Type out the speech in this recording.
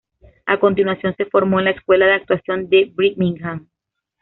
A continuación, se formó en la Escuela de Actuación de Birmingham.